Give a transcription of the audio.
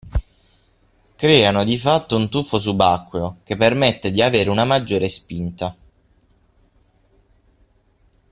creano di fatto un tuffo subacqueo che permette di avere una maggiore di spinta.